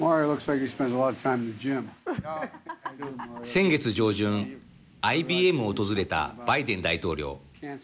先月上旬ＩＢＭを訪れたバイデン大統領。